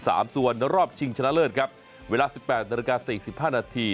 ในรอบชิงชนะเลิศครับเวลา๑๘นาที๔๕นาที